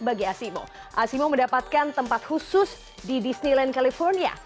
asimo mendapatkan tempat khusus di disneyland california